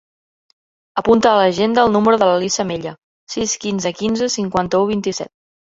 Apunta a l'agenda el número de l'Elisa Mella: sis, quinze, quinze, cinquanta-u, vint-i-set.